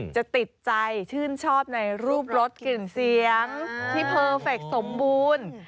จะติดใจชื่นชอบในรูปลดกลิ่นเสียงที่เพอร์เฟคสมบูรณ์